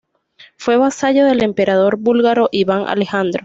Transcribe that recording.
Fue vasallo del emperador búlgaro Iván Alejandro.